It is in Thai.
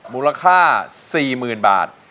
มูลค่า๔๐๐๐บาท